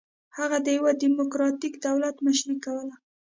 هغه د یوه ډیموکراټیک دولت مشري کوله.